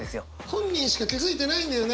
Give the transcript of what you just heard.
本人しか気付いてないんだよね。